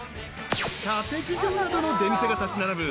［射的場などの出店が立ち並ぶ